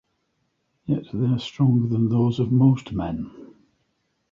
Yet they are stronger than those of most men.